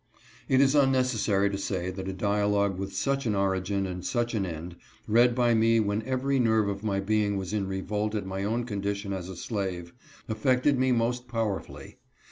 *~~ A 104 BOOKS HE READ. It i§ unnecessary to say that a dialogue with such an origin and such an end, read by me when every nerve of myJbeing was in revolt at my own condition as a slave, affected mejnost powerfully.